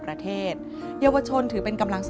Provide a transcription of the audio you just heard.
โปรดติดตามตอนต่อไป